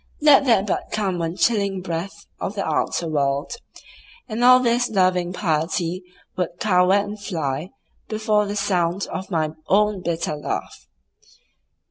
Let there but come one chilling breath of the outer world, and all this loving piety would cower and fly before the sound of my own bitter laugh.